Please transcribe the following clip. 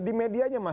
di medianya mas